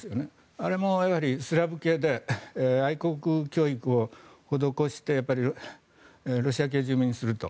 あれも、スラブ系で愛国教育を施してロシア系住民にすると。